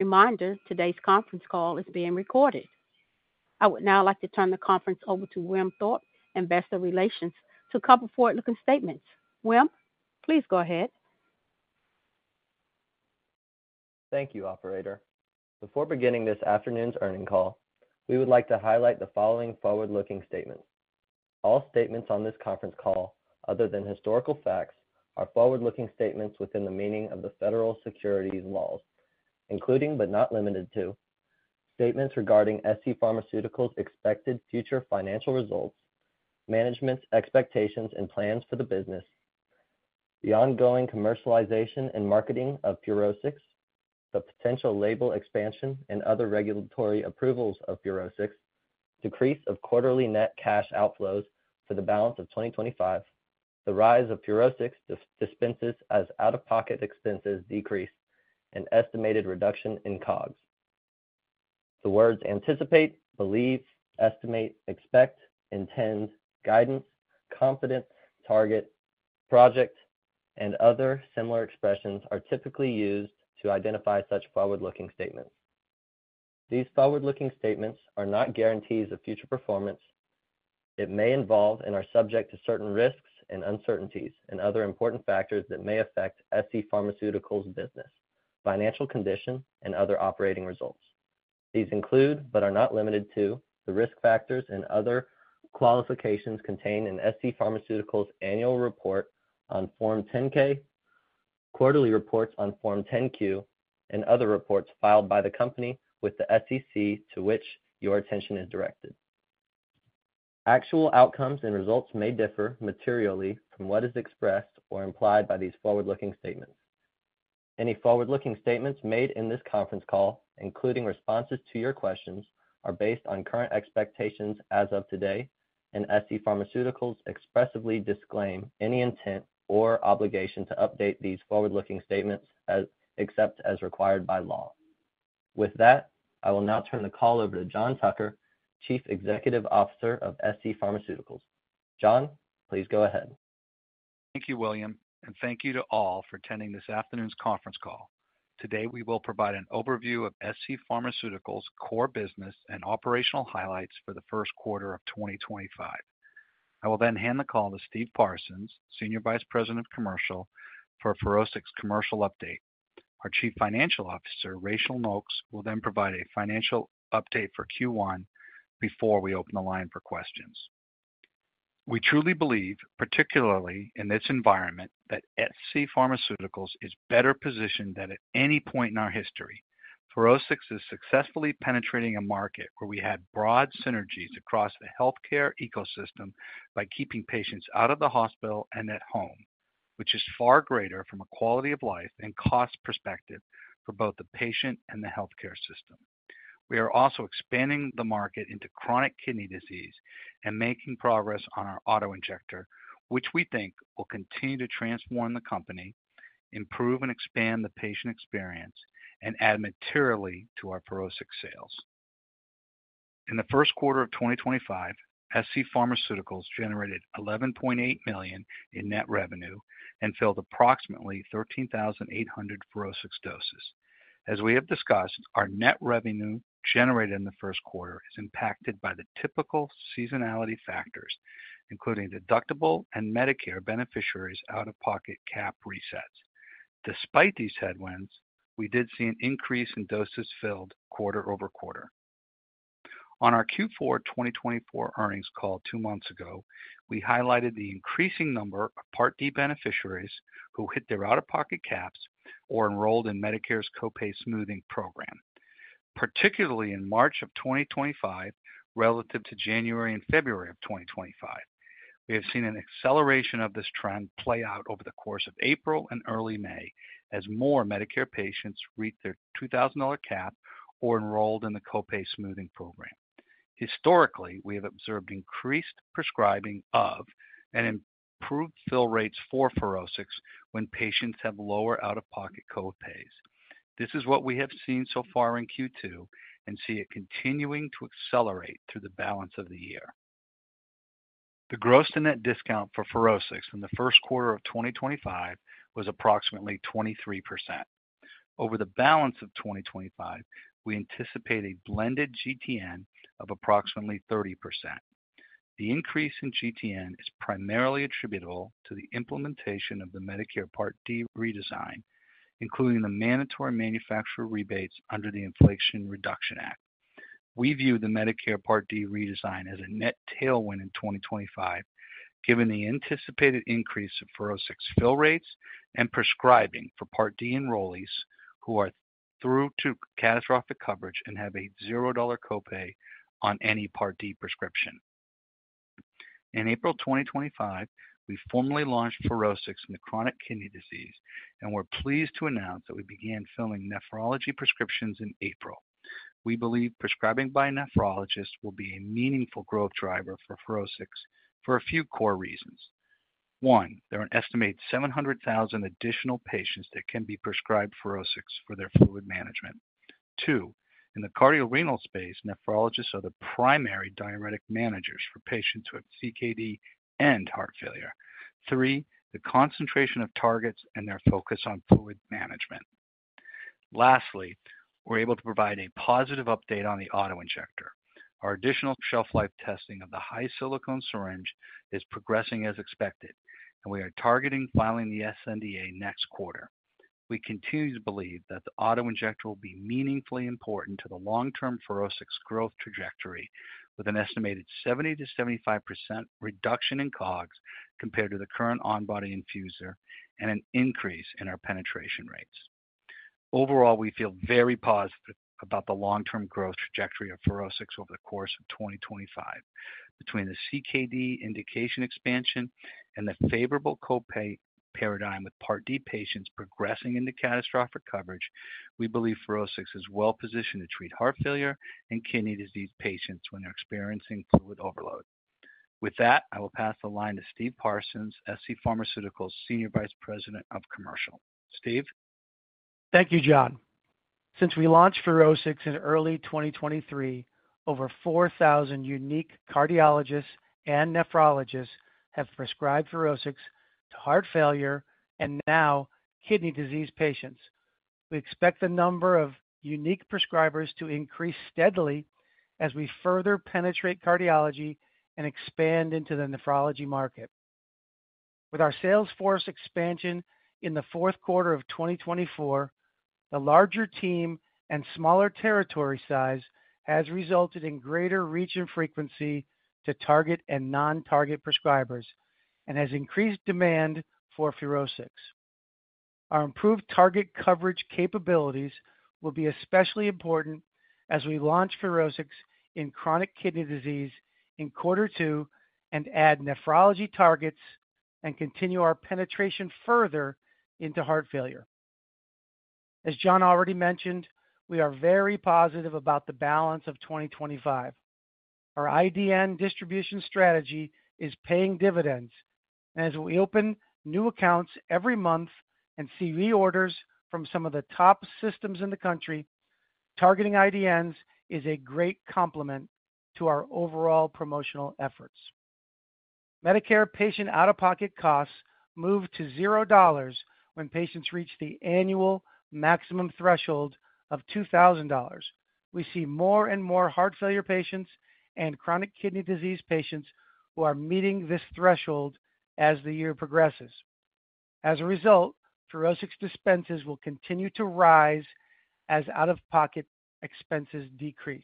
Reminder, today's conference call is being recorded. I would now like to turn the conference over to Wim Thorpe, Investor Relations, to cover forward-looking statements. Wim, please go ahead. Thank you, Operator. Before beginning this afternoon's earnings call, we would like to highlight the following forward-looking statements. All statements on this conference call, other than historical facts, are forward-looking statements within the meaning of the federal securities laws, including but not limited to statements regarding scPharmaceuticals' expected future financial results, management's expectations and plans for the business, the ongoing commercialization and marketing of FUROSCIX, the potential label expansion and other regulatory approvals of FUROSCIX, decrease of quarterly net cash outflows for the balance of 2025, the rise of FUROSCIX dispenses as out-of-pocket expenses decrease, and estimated reduction in COGS. The words anticipate, believe, estimate, expect, intend, guidance, confidence, target, project, and other similar expressions are typically used to identify such forward-looking statements. These forward-looking statements are not guarantees of future performance. It may involve and are subject to certain risks and uncertainties and other important factors that may affect scPharmaceuticals' business, financial condition, and other operating results. These include but are not limited to the risk factors and other qualifications contained in scPharmaceuticals' annual report on Form 10-K, quarterly reports on Form 10-Q, and other reports filed by the company with the SEC to which your attention is directed. Actual outcomes and results may differ materially from what is expressed or implied by these forward-looking statements. Any forward-looking statements made in this conference call, including responses to your questions, are based on current expectations as of today, and scPharmaceuticals expressly disclaim any intent or obligation to update these forward-looking statements except as required by law. With that, I will now turn the call over to John Tucker, Chief Executive Officer of scPharmaceuticals. John, please go ahead. Thank you, William, and thank you to all for attending this afternoon's conference call. Today, we will provide an overview of scPharmaceuticals' core business and operational highlights for the first quarter of 2025. I will then hand the call to Steve Parsons, Senior Vice President of Commercial, for FUROSCIX Commercial Update. Our Chief Financial Officer, Rachael Nokes, will then provide a financial update for Q1 before we open the line for questions. We truly believe, particularly in this environment, that scPharmaceuticals is better positioned than at any point in our history. FUROSCIX is successfully penetrating a market where we had broad synergies across the healthcare ecosystem by keeping patients out of the hospital and at home, which is far greater from a quality of life and cost perspective for both the patient and the healthcare system. We are also expanding the market into chronic kidney disease and making progress on our Autoinjector, which we think will continue to transform the company, improve and expand the patient experience, and add materially to our FUROSCIX sales. In the first quarter of 2025, scPharmaceuticals generated $11.8 million in net revenue and filled approximately 13,800 FUROSCIX doses. As we have discussed, our net revenue generated in the first quarter is impacted by the typical seasonality factors, including deductible and Medicare beneficiaries' out-of-pocket cap resets. Despite these headwinds, we did see an increase in doses filled quarter over quarter. On our Q4 2024 earnings call two months ago, we highlighted the increasing number of Part D beneficiaries who hit their out-of-pocket caps or enrolled in Medicare's copay smoothing program, particularly in March of 2025 relative to January and February of 2025. We have seen an acceleration of this trend play out over the course of April and early May as more Medicare patients reach their $2,000 cap or are enrolled in the copay smoothing program. Historically, we have observed increased prescribing of and improved fill rates for FUROSCIX when patients have lower out-of-pocket copays. This is what we have seen so far in Q2 and see it continuing to accelerate through the balance of the year. The gross-to-net discount for FUROSCIX in the first quarter of 2025 was approximately 23%. Over the balance of 2025, we anticipate a blended GTN of approximately 30%. The increase in GTN is primarily attributable to the implementation of the Medicare Part D redesign, including the mandatory manufacturer rebates under the Inflation Reduction Act. We view the Medicare Part D redesign as a net tailwind in 2025, given the anticipated increase of FUROSCIX fill rates and prescribing for Part D enrollees who are through to catastrophic coverage and have a $0 copay on any Part D prescription. In April 2025, we formally launched FUROSCIX in the chronic kidney disease and were pleased to announce that we began filling nephrology prescriptions in April. We believe prescribing by a nephrologist will be a meaningful growth driver for FUROSCIX for a few core reasons. One, there are an estimated 700,000 additional patients that can be prescribed FUROSCIX for their fluid management. Two, in the cardiorenal space, nephrologists are the primary diuretic managers for patients who have CKD and heart failure. Three, the concentration of targets and their focus on fluid management. Lastly, we're able to provide a positive update on the auto injector. Our additional shelf life testing of the high silicone syringe is progressing as expected, and we are targeting filing the sNDA next quarter. We continue to believe that the Autoinjector will be meaningfully important to the long-term FUROSCIX growth trajectory with an estimated 70-75% reduction in COGS compared to the current on-body infuser and an increase in our penetration rates. Overall, we feel very positive about the long-term growth trajectory of FUROSCIX over the course of 2025. Between the CKD indication expansion and the favorable copay paradigm with Part D patients progressing into catastrophic coverage, we believe FUROSCIX is well-positioned to treat heart failure and kidney disease patients when they're experiencing fluid overload. With that, I will pass the line to Steve Parsons, scPharmaceuticals Senior Vice President of Commercial. Steve? Thank you, John. Since we launched FUROSCIX in early 2023, over 4,000 unique cardiologists and nephrologists have prescribed FUROSCIX to heart failure and now kidney disease patients. We expect the number of unique prescribers to increase steadily as we further penetrate cardiology and expand into the nephrology market. With our sales force expansion in the fourth quarter of 2024, the larger team and smaller territory size has resulted in greater reach and frequency to target and non-target prescribers and has increased demand for FUROSCIX. Our improved target coverage capabilities will be especially important as we launch FUROSCIX in chronic kidney disease in quarter two and add nephrology targets and continue our penetration further into heart failure. As John already mentioned, we are very positive about the balance of 2025. Our IDN distribution strategy is paying dividends, and as we open new accounts every month and see reorders from some of the top systems in the country, targeting IDNs is a great complement to our overall promotional efforts. Medicare patient out-of-pocket costs move to $0 when patients reach the annual maximum threshold of $2,000. We see more and more heart failure patients and chronic kidney disease patients who are meeting this threshold as the year progresses. As a result, FUROSCIX dispenses will continue to rise as out-of-pocket expenses decrease.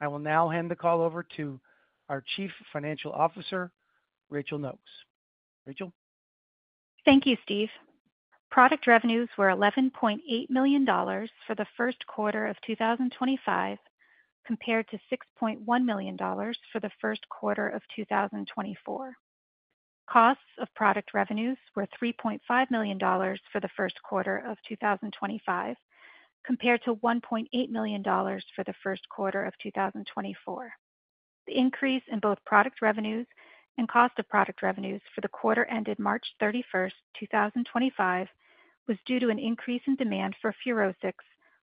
I will now hand the call over to our Chief Financial Officer, Rachael Nokes. Rachael? Thank you, Steve. Product revenues were $11.8 million for the first quarter of 2025 compared to $6.1 million for the first quarter of 2024. Costs of product revenues were $3.5 million for the first quarter of 2025 compared to $1.8 million for the first quarter of 2024. The increase in both product revenues and cost of product revenues for the quarter ended March 31st 2025, was due to an increase in demand for FUROSCIX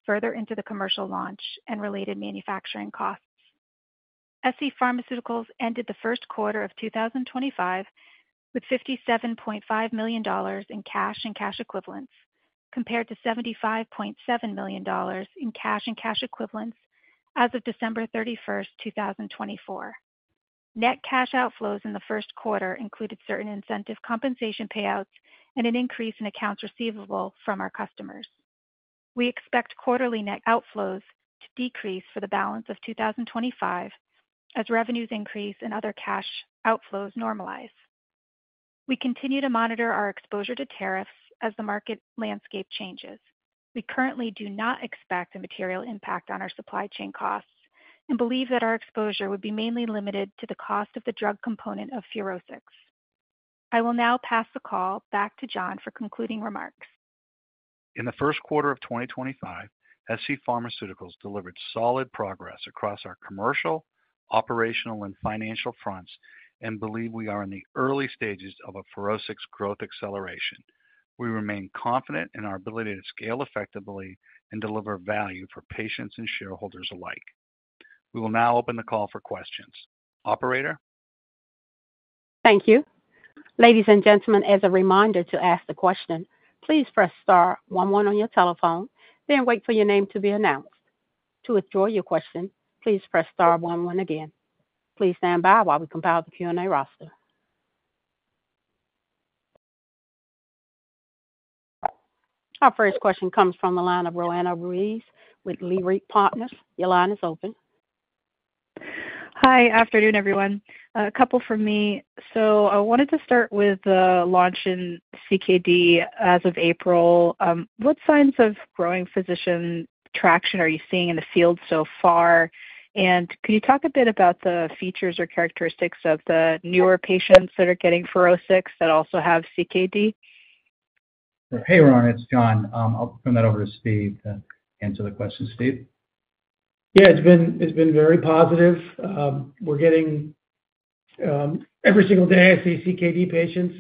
further into the commercial launch and related manufacturing costs. scPharmaceuticals ended the first quarter of 2025 with $57.5 million in cash and cash equivalents compared to $75.7 million in cash and cash equivalents as of December 31st 2024. Net cash outflows in the first quarter included certain incentive compensation payouts and an increase in accounts receivable from our customers. We expect quarterly net outflows to decrease for the balance of 2025 as revenues increase and other cash outflows normalize. We continue to monitor our exposure to tariffs as the market landscape changes. We currently do not expect a material impact on our supply chain costs and believe that our exposure would be mainly limited to the cost of the drug component of FUROSCIX. I will now pass the call back to John for concluding remarks. In the first quarter of 2025, scPharmaceuticals delivered solid progress across our commercial, operational, and financial fronts and believe we are in the early stages of a FUROSCIX growth acceleration. We remain confident in our ability to scale effectively and deliver value for patients and shareholders alike. We will now open the call for questions. Operator? Thank you. Ladies and gentlemen, as a reminder to ask the question, please press star 11 on your telephone, then wait for your name to be announced. To withdraw your question, please press star 11 again. Please stand by while we compile the Q&A roster. Our first question comes from the line of Roanna Ruiz with Leerink Partners. Your line is open. Hi, afternoon, everyone. A couple from me. I wanted to start with the launch in CKD as of April. What signs of growing physician traction are you seeing in the field so far? Could you talk a bit about the features or characteristics of the newer patients that are getting FUROSCIX that also have CKD? Hey, Roanna. It's John. I'll turn that over to Steve to answer the question. Steve? Yeah, it's been very positive. We're getting every single day I see CKD patients'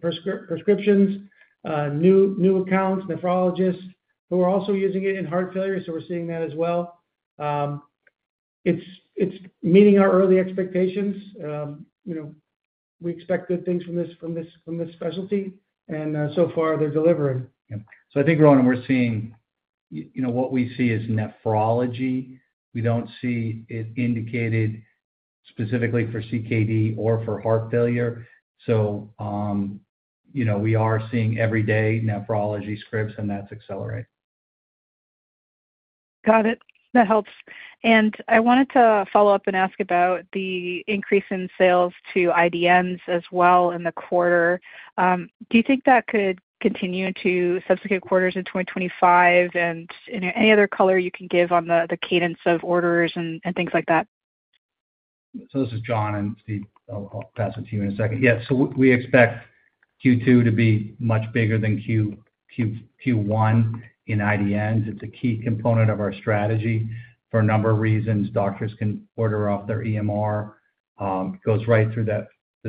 prescriptions, new accounts, nephrologists. We're also using it in heart failure, so we're seeing that as well. It's meeting our early expectations. We expect good things from this specialty, and so far, they're delivering. Yeah. I think, Roanna, we're seeing what we see is nephrology. We do not see it indicated specifically for CKD or for heart failure. We are seeing everyday nephrology scripts, and that's accelerating. Got it. That helps. I wanted to follow up and ask about the increase in sales to IDNs as well in the quarter. Do you think that could continue into subsequent quarters in 2025? Any other color you can give on the cadence of orders and things like that? This is John, and Steve, I'll pass it to you in a second. Yeah. We expect Q2 to be much bigger than Q1 in IDNs. It's a key component of our strategy for a number of reasons. Doctors can order off their EMR. It goes right through the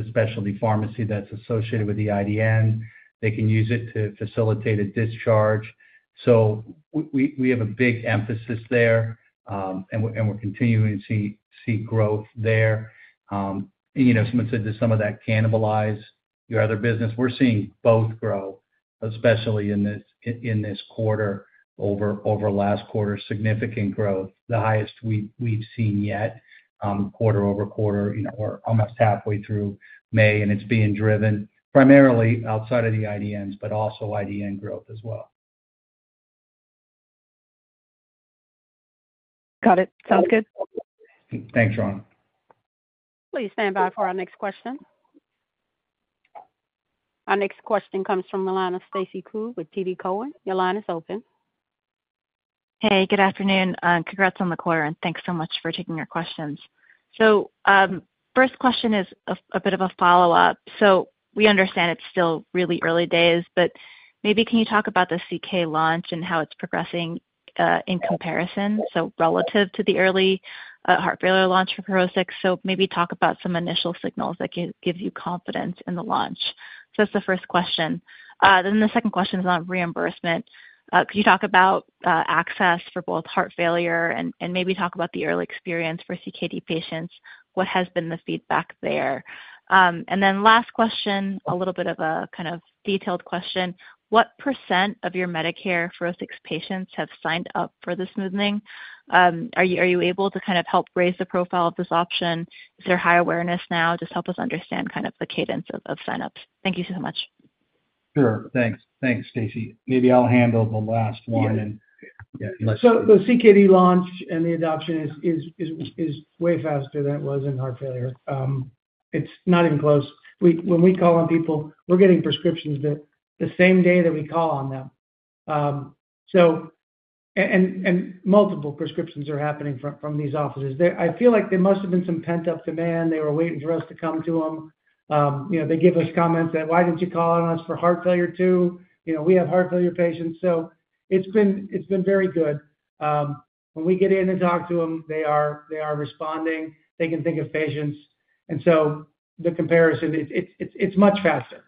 specialty pharmacy that's associated with the IDN. They can use it to facilitate a discharge. We have a big emphasis there, and we're continuing to see growth there. Someone said, does some of that cannibalize your other business. We're seeing both grow, especially in this quarter over last quarter. Significant growth, the highest we've seen yet, quarter over quarter, almost halfway through May, and it's being driven primarily outside of the IDNs, but also IDN growth as well. Got it. Sounds good. Thanks, Roanna. Please stand by for our next question. Our next question comes from the line of Stacy Ku with TD Cowen. Your line is open. Hey, good afternoon. Congrats on the quarter. Thanks so much for taking our questions. First question is a bit of a follow-up. We understand it's still really early days, but maybe can you talk about the CKD launch and how it's progressing in comparison, so relative to the early heart failure launch for FUROSCIX? Maybe talk about some initial signals that give you confidence in the launch. That's the first question. The second question is on reimbursement. Could you talk about access for both heart failure and maybe talk about the early experience for CKD patients? What has been the feedback there? Last question, a little bit of a kind of detailed question. What percent of your Medicare FUROSCIX patients have signed up for the copay smoothing? Are you able to kind of help raise the profile of this option? Is there high awareness now? Just help us understand kind of the cadence of signups. Thank you so much. Sure. Thanks. Thanks, Stacy. Maybe I'll handle the last one. The CKD launch and the adoption is way faster than it was in heart failure. It's not even close. When we call on people, we're getting prescriptions the same day that we call on them. Multiple prescriptions are happening from these offices. I feel like there must have been some pent-up demand. They were waiting for us to come to them. They give us comments that, "Why didn't you call on us for heart failure too? We have heart failure patients." It's been very good. When we get in and talk to them, they are responding. They can think of patients. The comparison, it's much faster.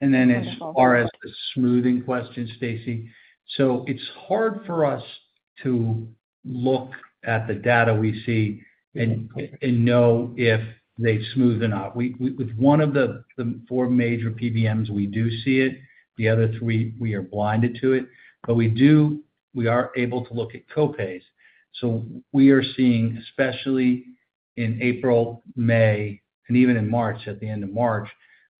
As far as the smoothing question, Stacy, it is hard for us to look at the data we see and know if they smoothen up. With one of the four major PBMs, we do see it. The other three, we are blinded to it. We are able to look at copays. We are seeing, especially in April, May, and even in March, at the end of March,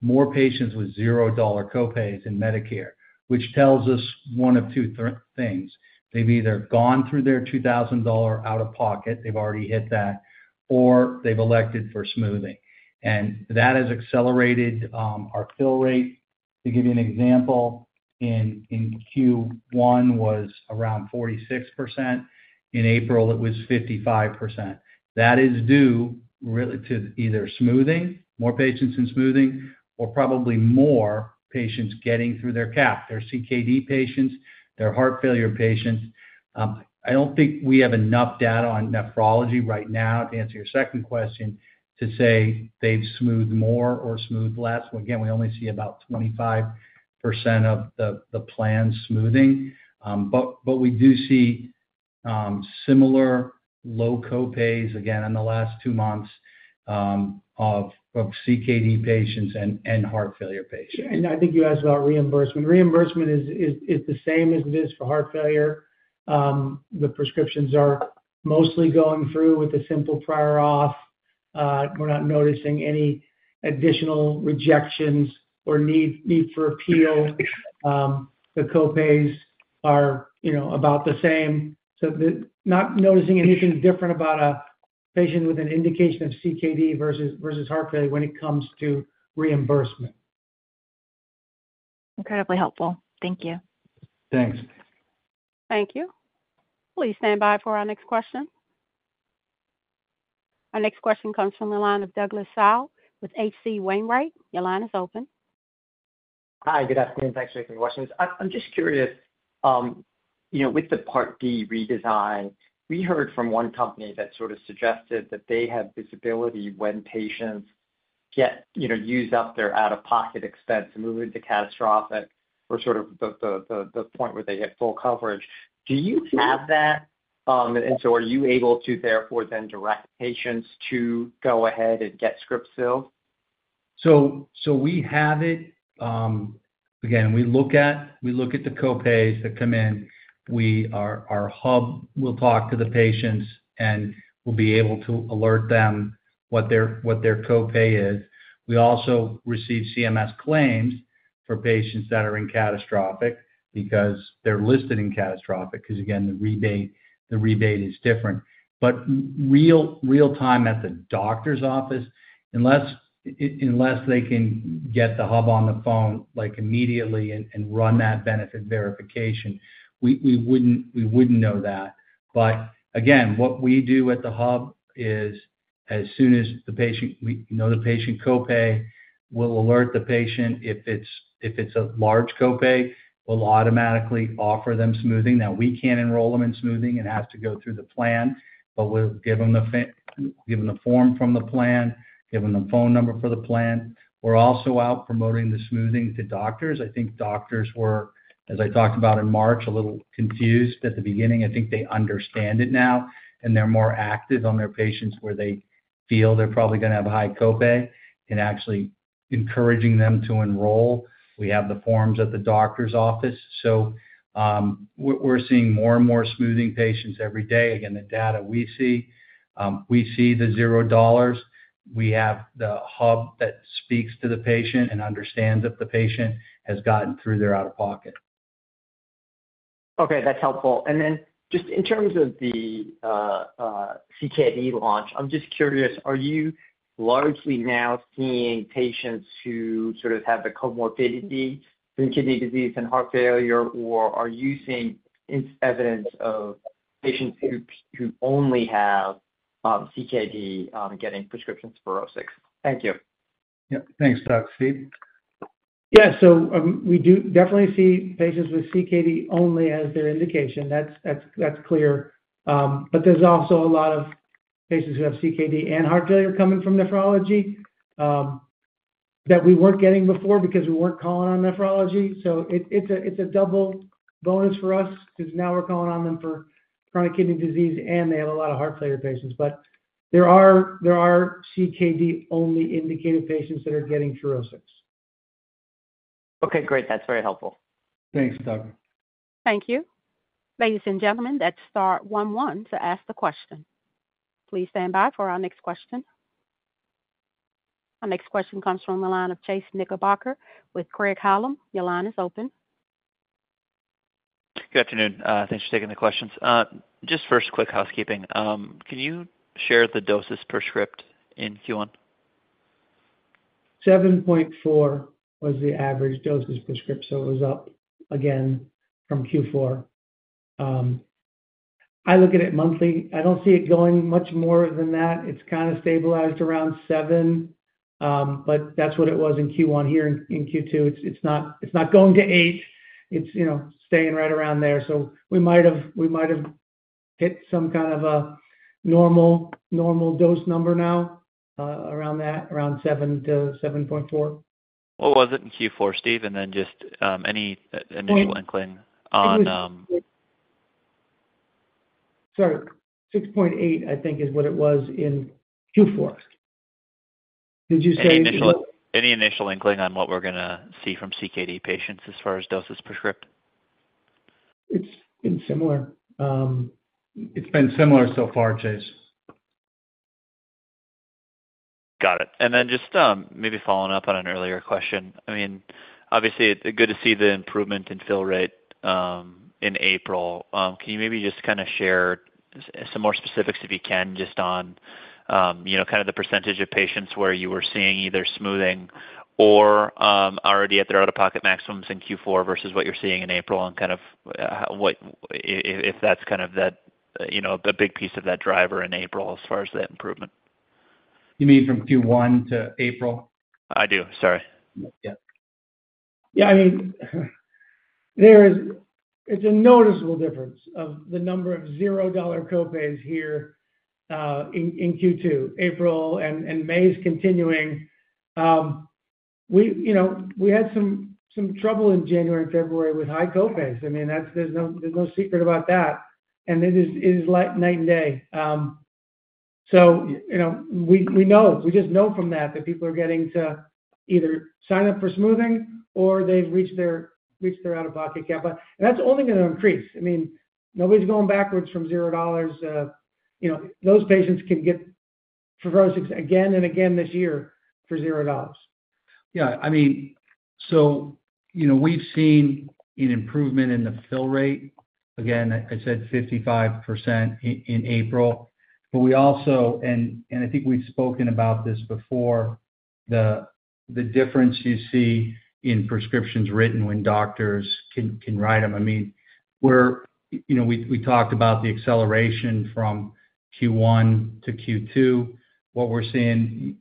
more patients with $0 copays in Medicare, which tells us one of two things. They have either gone through their $2,000 out-of-pocket; they have already hit that, or they have elected for smoothing. That has accelerated our fill rate. To give you an example, in Q1 it was around 46%. In April, it was 55%. That is due to either smoothing, more patients in smoothing, or probably more patients getting through their cap, their CKD patients, their heart failure patients. I don't think we have enough data on nephrology right now to answer your second question to say they've smoothed more or smoothed less. Again, we only see about 25% of the planned smoothing. We do see similar low copays, again, in the last two months of CKD patients and heart failure patients. I think you asked about reimbursement. Reimbursement is the same as it is for heart failure. The prescriptions are mostly going through with a simple prior auth. We're not noticing any additional rejections or need for appeal. The copays are about the same. Not noticing anything different about a patient with an indication of CKD versus heart failure when it comes to reimbursement. Incredibly helpful. Thank you. Thanks. Thank you. Please stand by for our next question. Our next question comes from the line of Douglas Tsao with H.C. Wainwright. Your line is open. Hi, good afternoon. Thanks for taking the question. I'm just curious, with the Part D redesign, we heard from one company that sort of suggested that they have visibility when patients use up their out-of-pocket expense and move into catastrophic or sort of the point where they get full coverage. Do you have that? Are you able to therefore then direct patients to go ahead and get scripts filled? We have it. Again, we look at the copays that come in. Our hub will talk to the patients, and we'll be able to alert them what their copay is. We also receive CMS claims for patients that are in catastrophic because they're listed in catastrophic because, again, the rebate is different. Real-time at the doctor's office, unless they can get the hub on the phone immediately and run that benefit verification, we wouldn't know that. Again, what we do at the hub is as soon as we know the patient copay, we'll alert the patient. If it's a large copay, we'll automatically offer them smoothing. We can't enroll them in smoothing. It has to go through the plan. We'll give them the form from the plan, give them the phone number for the plan. We're also out promoting the smoothing to doctors. I think doctors were, as I talked about in March, a little confused at the beginning. I think they understand it now, and they're more active on their patients where they feel they're probably going to have a high copay and actually encouraging them to enroll. We have the forms at the doctor's office. We are seeing more and more smoothing patients every day. Again, the data we see, we see the $0. We have the hub that speaks to the patient and understands if the patient has gotten through their out-of-pocket. Okay. That's helpful. And then just in terms of the CKD launch, I'm just curious, are you largely now seeing patients who sort of have the comorbidity from kidney disease and heart failure, or are you seeing evidence of patients who only have CKD getting prescriptions for FUROSCIX? Thank you. Yeah. Thanks, Doug. Steve. Yeah. So we do definitely see patients with CKD only as their indication. That's clear. There is also a lot of patients who have CKD and heart failure coming from nephrology that we weren't getting before because we weren't calling on nephrology. It's a double bonus for us because now we're calling on them for chronic kidney disease, and they have a lot of heart failure patients. There are CKD-only indicated patients that are getting FUROSCIX. Okay. Great. That's very helpful. Thanks, Doug. Thank you. Ladies and gentlemen, that's star 11 to ask the question. Please stand by for our next question. Our next question comes from the line of Chase Knickerbocker with Craig-Hallum. Your line is open. Good afternoon. Thanks for taking the questions. Just first, quick housekeeping. Can you share the doses per script in Q1? 7.4 was the average dose of prescripts, so it was up again from Q4. I look at it monthly. I don't see it going much more than that. It's kind of stabilized around 7, but that's what it was in Q1. Here in Q2, it's not going to 8. It's staying right around there. We might have hit some kind of a normal dose number now around that, around 7-7.4. What was it in Q4, Steve? And then just any initial inkling on. Sorry. 6.8, I think, is what it was in Q4. Did you say? Any initial inkling on what we're going to see from CKD patients as far as doses prescribed? It's been similar. It's been similar so far, Chase. Got it. Just maybe following up on an earlier question. I mean, obviously, it's good to see the improvement in fill rate in April. Can you maybe just kind of share some more specifics if you can just on kind of the percentage of patients where you were seeing either smoothing or already at their out-of-pocket maximums in Q4 versus what you're seeing in April and kind of if that's kind of a big piece of that driver in April as far as that improvement? You mean from Q1 to April? I do. Sorry. Yeah. I mean, it's a noticeable difference of the number of $0 copays here in Q2. April and May is continuing. We had some trouble in January and February with high copays. I mean, there's no secret about that. It is like night and day. We know. We just know from that that people are getting to either sign up for smoothing or they've reached their out-of-pocket cap. That's only going to increase. I mean, nobody's going backwards from $0. Those patients can get FUROSCIX again and again this year for $0. Yeah. I mean, we've seen an improvement in the fill rate. Again, I said 55% in April. I think we've spoken about this before, the difference you see in prescriptions written when doctors can write them. I mean, we talked about the acceleration from Q1 to Q2. What we're seeing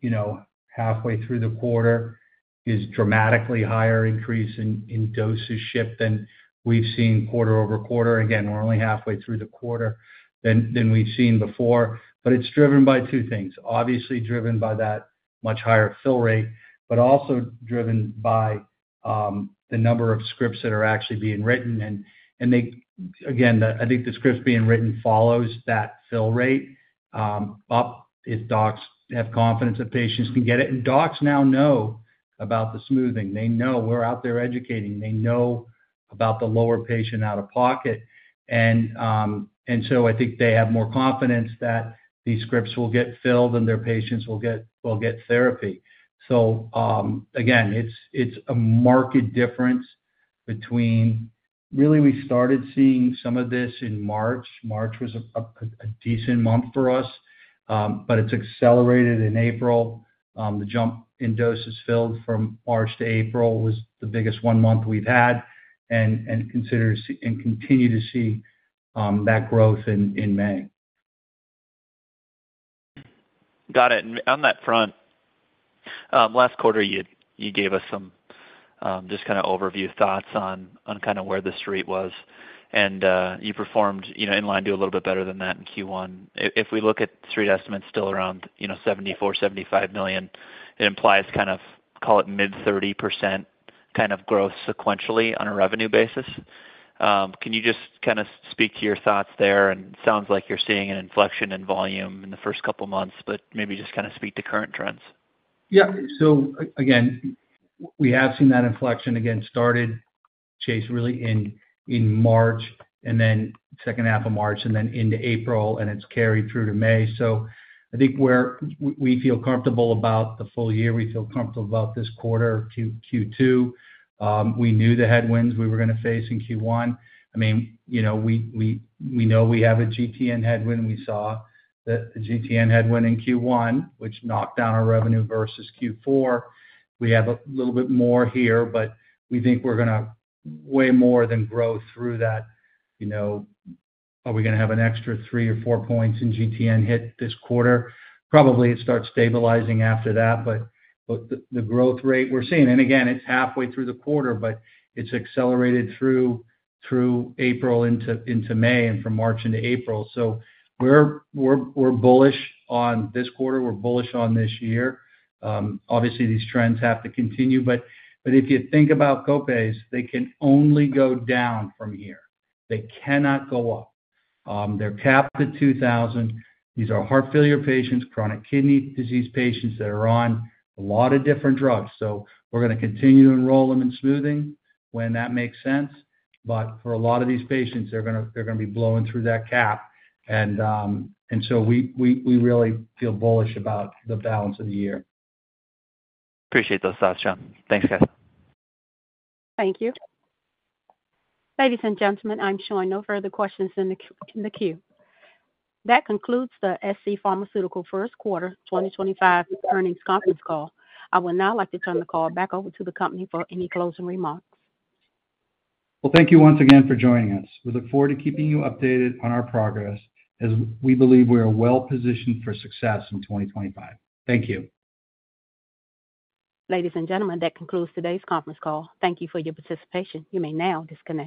halfway through the quarter is a dramatically higher increase in dosage ship than we've seen quarter over quarter. Again, we're only halfway through the quarter than we've seen before. It's driven by two things. Obviously, driven by that much higher fill rate, but also driven by the number of scripts that are actually being written. Again, I think the scripts being written follows that fill rate up if docs have confidence that patients can get it. Docs now know about the smoothing. They know. We're out there educating. They know about the lower patient out-of-pocket. I think they have more confidence that these scripts will get filled and their patients will get therapy. Again, it's a marked difference between. Really, we started seeing some of this in March. March was a decent month for us, but it's accelerated in April. The jump in doses filled from March to April was the biggest one month we've had and continue to see that growth in May. Got it. On that front, last quarter, you gave us some just kind of overview thoughts on kind of where the street was. You performed in line to a little bit better than that in Q1. If we look at street estimates still around $74 million-$75 million, it implies kind of, call it mid-30% kind of growth sequentially on a revenue basis. Can you just kind of speak to your thoughts there? It sounds like you're seeing an inflection in volume in the first couple of months, but maybe just kind of speak to current trends. Yeah. So again, we have seen that inflection again started, Chase, really in March, and then second half of March, and then into April, and it's carried through to May. I think we feel comfortable about the full year. We feel comfortable about this quarter, Q2. I mean, we knew the headwinds we were going to face in Q1. I mean, we know we have a GTN headwind. We saw the GTN headwind in Q1, which knocked down our revenue versus Q4. We have a little bit more here, but we think we're going to way more than grow through that. Are we going to have an extra three or four points in GTN hit this quarter? Probably it starts stabilizing after that, but the growth rate we're seeing—and again, it's halfway through the quarter—but it's accelerated through April into May and from March into April. We're bullish on this quarter. We're bullish on this year. Obviously, these trends have to continue. If you think about copays, they can only go down from here. They cannot go up. They're capped at $2,000. These are heart failure patients, chronic kidney disease patients that are on a lot of different drugs. We're going to continue to enroll them in smoothing when that makes sense. For a lot of these patients, they're going to be blowing through that cap. We really feel bullish about the balance of the year. Appreciate those thoughts, John. Thanks, guys. Thank you. Ladies and gentlemen, I'm showing no further questions in the queue. That concludes the scPharmaceuticals First Quarter 2025 Earnings Conference Call. I would now like to turn the call back over to the company for any closing remarks. Thank you once again for joining us. We look forward to keeping you updated on our progress as we believe we are well-positioned for success in 2025. Thank you. Ladies and gentlemen, that concludes today's conference call. Thank you for your participation. You may now disconnect.